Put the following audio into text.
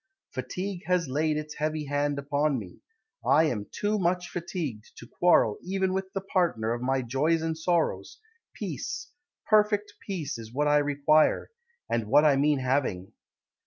Fatigue has laid its heavy hand upon me; I am too much fatigued to quarrel even with the partner of my joys and sorrows. Peace, perfect peace, Is what I require, And what I mean having.